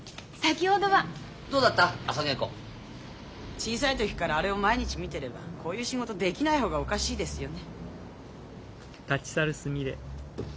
小さい時からあれを毎日見てればこういう仕事できない方がおかしいですよね。